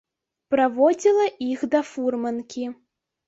Праводзіла іх да фурманкі.